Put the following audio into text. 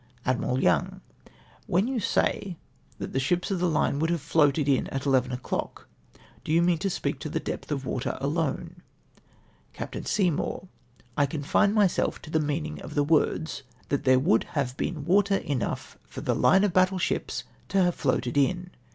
Admiral Young.— "When you say that the ships of the HIS EVIDENCE SOUGHT TO BE NEUTRALISED. 55 line would have floated in at eleven o'clock, do you mean to speak to the depth of water alone ?" Capt. Seymouk. — "I confine myself to the iiieaninrj of the ivords, that there would have been water ENOUGir fou THE LINE OF BATTLE SHIPS TO HAVE FLOATED IN.